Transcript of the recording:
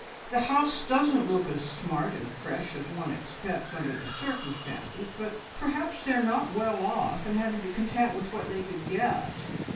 The house doesn't look as smart and fresh as one expects under the circumstances, but perhaps they are not well off, and had to be content with what they could get.